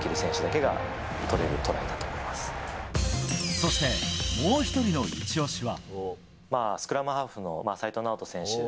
そしてもう１人のイチ押しは。